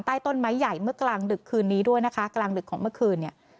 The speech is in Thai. ใต้ต้นไม้ใหญ่เมื่อกลางดึกคืนนี้ด้วยนะคะกลางดึกของเมื่อคืนเนี่ย